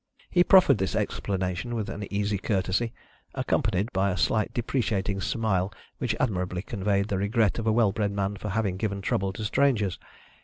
He proffered this explanation with an easy courtesy, accompanied by a slight deprecating smile which admirably conveyed the regret of a well bred man for having given trouble to strangers.